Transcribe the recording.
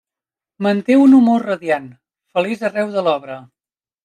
Manté un humor radiant, feliç arreu de l'obra.